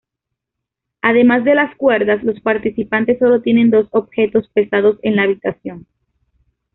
Además de las cuerdas, los participantes solo tienen dos objetos pesados en la habitación.